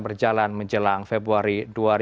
berjalan menjelang februari